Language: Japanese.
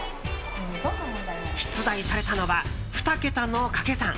出題されたのは２桁の掛け算。